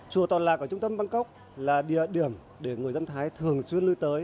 chùa toàn lạc ở trung tâm bangkok là địa điểm để người dân thái thường xuyên nuôi tới